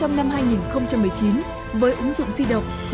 trong năm hai nghìn một mươi chín với ứng dụng di động